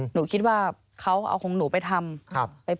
หนูคิดว่าเขาเอาของหนูไปทำ